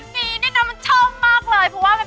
แม่บ้านตัวจริง